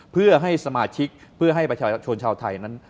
เพื่อให้สมาชิกและชนชาวไทย